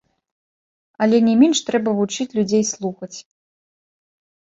Але не менш трэба вучыць людзей слухаць.